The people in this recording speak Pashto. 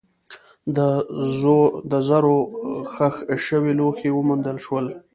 د زرو ښخ شوي لوښي وموندل شول.